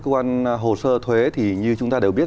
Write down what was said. cơ quan hồ sơ thuế thì như chúng ta đều biết